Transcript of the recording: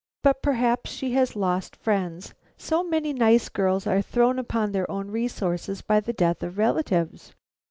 But perhaps she has lost friends; so many nice girls are thrown upon their own resources by the death of relatives?"